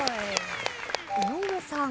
井上さん。